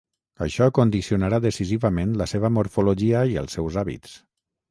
Això condicionarà decisivament la seva morfologia i els seus hàbits.